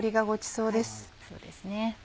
そうですね。